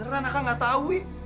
beneran akang gak tau wi